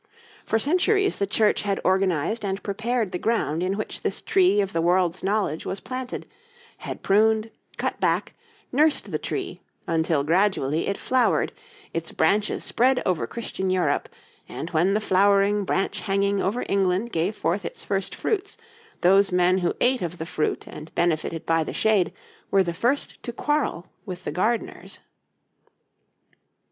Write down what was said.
For centuries the Church had organized and prepared the ground in which this tree of the world's knowledge was planted, had pruned, cut back, nursed the tree, until gradually it flowered, its branches spread over Christian Europe, and when the flowering branch hanging over England gave forth its first fruits, those men who ate of the fruit and benefited by the shade were the first to quarrel with the gardeners.